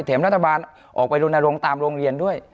รัฐบาลออกไปลนลงตามโรงเรียนด้วย